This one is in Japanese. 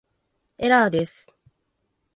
エラーです